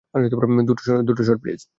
দুটো shot, please.